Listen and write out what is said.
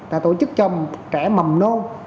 là tổ chức cho trẻ mầm nô